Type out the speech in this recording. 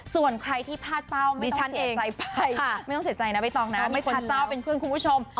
ส่วนใครที่พลาดเป้าไม่ต้องเสียใจไปไม่ต้องเสียใจนะใบตองนะไม่พาเจ้าเป็นเพื่อนคุณผู้ชม